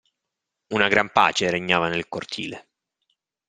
Una gran pace regnava nel cortile.